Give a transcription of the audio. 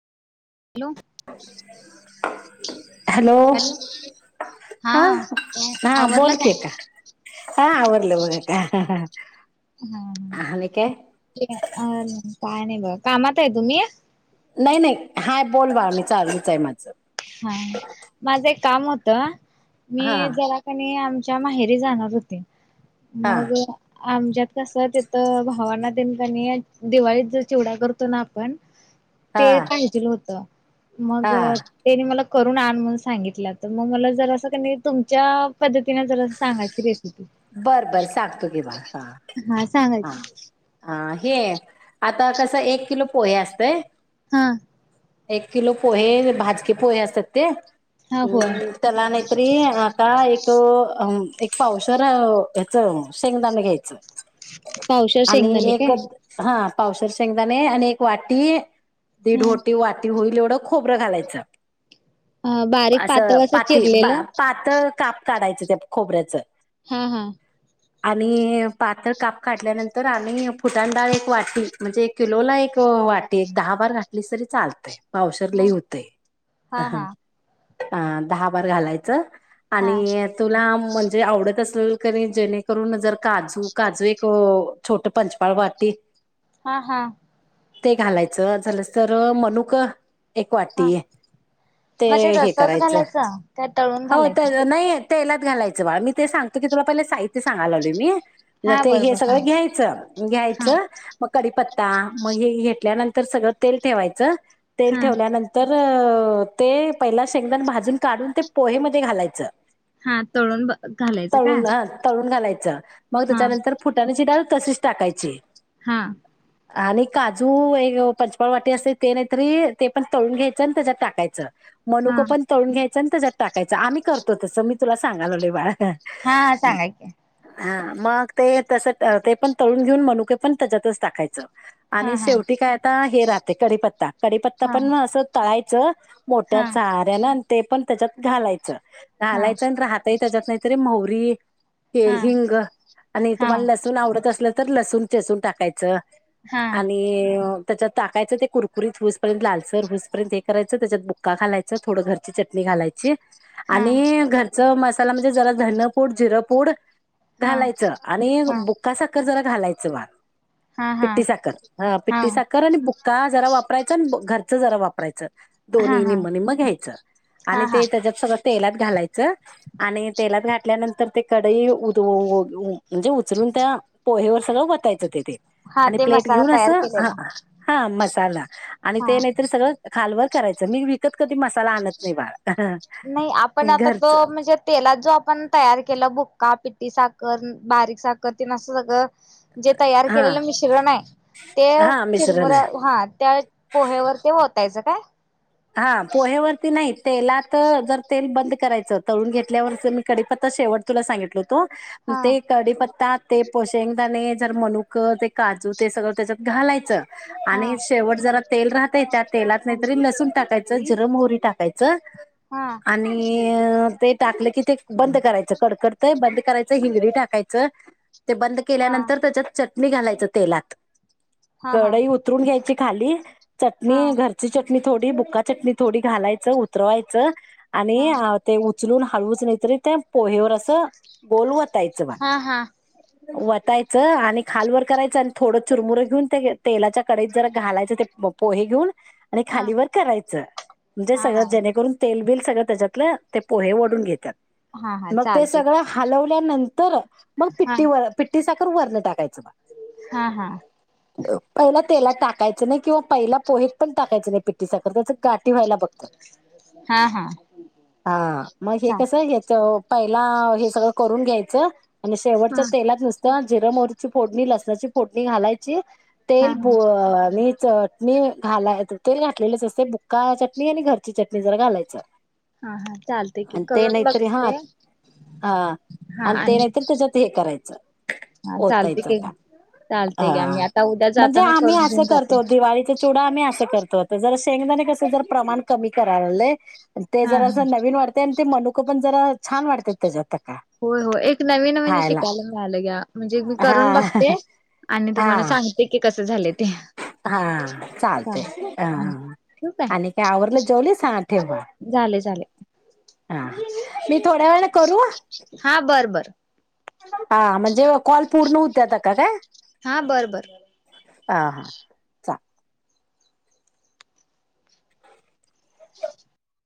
Hello, hello [unintelligible] हा काय हा आवरलं काय बोलकी, हा आवरलं बघ आता. आणि काय? ठीक आहे, अ काय नाही बघा, कामात आहे तुम्ही? नाही नाही, हाय बोल मामी चालूच आहे माझं. हा माझं एक काम होतं, हा मी जराका नाही आमच्या माहेरी जाणार होती. हा मग आमच्यात कसं तेथ भावना देननी दिवाळीत ज चिवडा करतो ना आपण हा ते पाहिजे होत मग हा त्यांनी मला करून आण म्हणून सांगितलं तर मग मला जर असं क तुमच्या पद्धतीने जर अस सांगायची रेसिपी बर बर सांगतो की बाळ हा हा सांगायची हा हे आता कसं एक किलो पोहे असतय हा एक किलो पोहे भाजकीे पोहे असतात ते हा होय हम्म त्याला नाहीतरी आता एक अ एक पावशवर ह्याचं शेंगदाण घ्यायचं पावशेर आणि शेंगदाणे एक काय? हा पावसार शेंगदाणे आणि एक वाटी दीड हम्म. होटी वाटी होईल एवढं खोबरं घालायचं अ बारीक असं पातळ पाती चिरलेलं पातळ काप काढायचं त्या खोबऱ्याचं हा हा आणि पात्र काप काढल्यानंतर आणि फुटाण डाळ एक वाटी म्हणजे एक किलोला एक वाटी एक दहा बार घटली तरी चालते पावसर ह लही होते हा हा दहा बार घालायचं हा आणि तुला म्हणजे आवडत असेल करी जेने करून जर काजू काजू एक छोट पंचपाळ वाटी हा हा ते घालायचं झालं तर मणुक एक हा. वाटी आहे ते मग हे तसच करायचं घालायचं काय तळून हो घालायचं? तर नाहीय तेलात घालायचं बा मी ते सगतो की तुला पहिला साहित्य सांाय लावले मी न हा ते हे बरोबर हा सगळं घ्यायचं हा घ्यायचं मग कीपत्ता मग हे घेतल्यानंतर सगळं तेल ठेवायचं तेल हा ठेवल्यानंतर तर ते पहिला शेंगदाण भाजून काढून ते पोहेमध्ये घालायचं हा तोळून ब तळून हा तळून घालायचं मग हा त्याच्यानंतर फुटाण्याची डाळ तशीच टाकायची हा आणि काजू एक पंचपाळ वाटी असते ते नाहीतरी ते पण तळून घ्यायचं आणि त्याच्यात टाकायचं हा मनुकं पण तळून घ्यायचं त्याच्यात टाकायचं आम्ही करतो तसं मी तुला सांगाल बा हा हा सांगा की हा मग ते तस ते पण तळून घेऊन मनुके पण त्याच्यातच टाकायचं हा आणि हा हा. शेवटी काय आता हे राहते कडीीपत्ता कडीीपत्ता हा पण असं तळायचं मोठ्या हा झाऱ्यान आणि ते पण त्याच्यात घालायचं हा घालायचं राहत त्याच्यात नाहीतरी म्हरी हा हिंग आणि हा हा तुम्हाला लस लसून आवडत असल तर लसूून चेसून टाकायचं हा आणि त्याच्यात टाकायचं ते कुकुत हऊसपर्यंत लालसर हऊसपर्यंत हेरायचं त्याच्यात बुक्का घालायचं थोड घरची चटणी घालायची हा आणि घरच मसाला म्हणजे जरा धनपूड जिरंपूड हा हा घालायचं आणि बुक्का साखर जरा घालायचं वा हा हा पिट्टी साखर हा पिट्टी साखर आणि ब का जरा वापरायचं आणि घरच जरा वापरायचं हा हा दोन्ही निम्म निम्म घ्यायचं आणि हा ते त्याच्यात सगळं तेलात घालायचं आणि तेलात घातल्यानंतर ते कडई म्हणजे उचलून त्या पोहेवर सगळं बतायचं तेथ हा आणि ते प्लेट मसाला घेऊन तयार असं ह केलेला हा मसाला आणि हा ते नाहीतर सगळं खालवर करायचं मी विकत कधी मसाला आणत नाही बाळा नाही आपण आता तो म्हणजे तेलात जो आपण तयार केला बुक्का पिटी साखर बारीक साखर तिन असं सगळं जे तयार हा केलेलं मिश्रण आहे ते हा मिश्रण चिरमुऱ्या आहे हा त्या पोहे्यावर ते वतायचं काय हा पोहेवरती नाही तेलात जर तेल बंद करायचं तळून घेतल्यावरच मी कडीीपत्ता शेवट तुला सांगितलं होतो हा ते कडीीपत्ता ते पोशंगदाणे जर मनुक ते काजू ते सगळं त्याच्यात घालायचं आणि हा शेवट जरा तेल राहत त्या तेलात नाही तरी लसूून टाकायचं जिरम होरी टाकायचं हा आणि ते टाकलं की ते बंद करायचं कडकडतंय बंद करायचं हिंगडी टाकायचं ते बंद हा केल्यानंतर त्याच्यात चटणी घालायच तेलात हा हा कडई उतरून घ्यायची खाली हा चटणी घरची चटणी थोडी बुक्का चटणी थोडी घालायचं उतरवायचं हा आणि ते उचलून हाळवूच नाहीतरी त्या पोहेवर असं बोलवतायचं बा ह वटयचं आणि खालवरर करायचं आणि थोडं चुरमुरं घेऊन त्या तेलाच्या कडेत जरा घालायचं ते बघ पोहे घेऊन आणि खालीवर करायच म्हणजे हा सळ हा ज तेब सगळ त्याच्यात पोहे वढून घात हा हा मग ते चालते सगळ हलवल्यानंतर मग हा पिट्टी वर पिट्टी साखर वरण टाकायचं बघ हा हा पहिला तेला टाकायचं नाही किंवा पहिला पोहेत पण टाकायचं नाही पिट्टठी साखर त्याच काठी व्हायला बघत हा हा हा मग हे चाल कस घ पहिला हे सगळं करून घ्यायचं आणि हा शेवटच्या तेलात नुसत जिर मोरची फोडणी लसणाची फोडणी घालायची तेल हा हा ब आणि चटणी घालाय ते घातलेलेच असते बुक्का चटणी आणि घरची चटणी जर घालायचं हा हा चालते की आणि ते करून नाहीतरी हा बघते हा आणि ते नाहीत त्याच्यात हे करायचं हा चालते होतायच की का चालते घ्या मी हा आता उद्या म्हणजे जाताना आम्ही करून घेऊन असं जाते. करतो दिवाळी चडा आम्ही असं करतो होत जर शेंगदाणे कस जर प्रमाण कमी कराय ते हा जरा अस हा. नवीन वाढते आणि ते मनुकं पण जरा छान वाढते त्याच्यात का हो हो एक नवीन म्हणजे खायला शिकायला मिळालं ग्या म्हणजे मी हा करून बघते आणि तुम्हाला हा सांगते की कस झालं ते हा चालते चालेल. हा ह ठेवू आणि काय आवरलं जेवली स झाले झाले हा मी थोड्या वेळा करू हा बरं बर हा म्हणजे कॉल पूर्ण होत्याता का का हा बरं बर ह हा चालेल